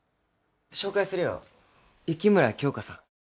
紹介するよ雪村京花さん